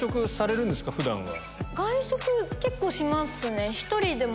外食結構しますね。